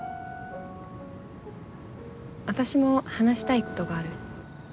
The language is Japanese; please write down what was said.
私も話したい事がある。